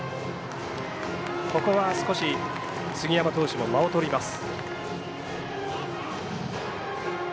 ここは少し杉山投手も間をとります。